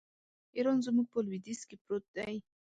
ایران زموږ په لوېدیځ کې پروت دی.